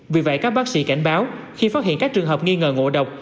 vì vậy các bác sĩ cảnh báo khi phát hiện các trường hợp nghi ngờ ngộ độc